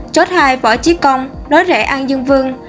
chốt hai võ chí công lối rẽ an dương vương